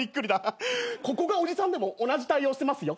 ここがおじさんでも同じ対応してますよ。